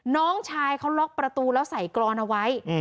น้องชายเขาล็อกประตูแล้วใส่กรอนเอาไว้